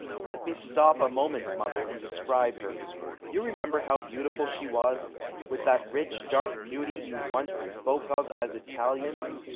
Let me stop a moment, mother, and describe her. You remember how beautiful she was, with that rich, dark beauty you once spoke of as "Italian."